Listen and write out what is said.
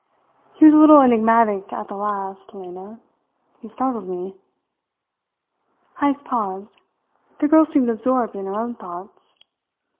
He was a little enigmatic at the last, Lena. He startled me." Heyst paused. The girl seemed absorbed in her own thoughts.